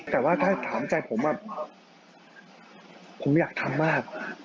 แต่ว่าถ้าถามใจผมผมอยากทำมาก